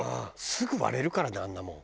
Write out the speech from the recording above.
すぐ割れるからねあんなもん。